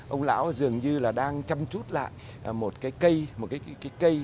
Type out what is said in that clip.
ông lão dường như là đang chăm chút lại một cái cây một cái cây